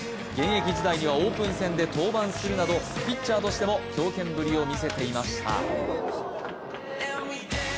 現役時代にはオープン戦で登板するなど、ピッチャーとしても強肩ぶりを見せていました。